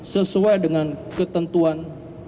sesuai dengan ketentuan